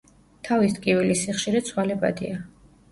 თავის ტკივილის სიხშირე ცვალებადია.